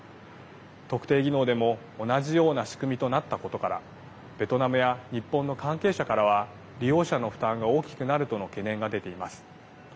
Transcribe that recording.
特定技能でも同じような仕組みとなったことからベトナムや日本の関係者からは利用者の負担が大きくなるとの懸念が出ています。